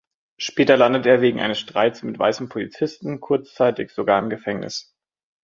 Später landet er wegen eines Streits mit weißen Polizisten kurzzeitig sogar im Gefängnis.